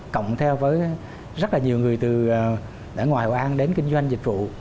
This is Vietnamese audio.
cộng theo với rất là nhiều người từ ở ngoài hội an đến kinh doanh dịch vụ